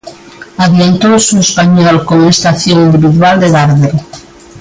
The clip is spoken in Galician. Adiantouse o Español con esta acción individual de Darder.